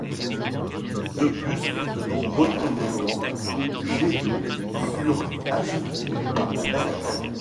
De plus, de nombreux toboggans ou jets d'eaux furent ajoutés par la même occasion.